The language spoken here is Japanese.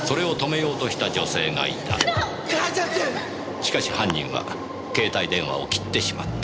しかし犯人は携帯電話を切ってしまった。